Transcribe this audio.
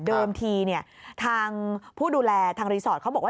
ทีทางผู้ดูแลทางรีสอร์ทเขาบอกว่า